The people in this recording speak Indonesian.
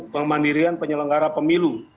pemandirian penyelenggara pemilu